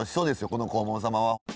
この黄門様は。